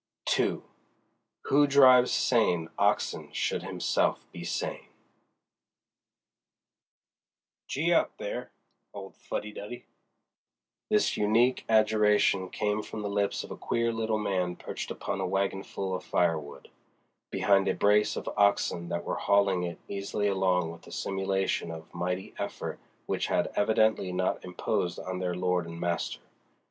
II WHO DRIVES SANE OXEN SHOULD HIMSELF BE SANE "Gee up, there, old Fuddy Duddy!" This unique adjuration came from the lips of a queer little man perched upon a wagonful of firewood, behind a brace of oxen that were hauling it easily along with a simulation of mighty effort which had evidently not imposed on their lord and master.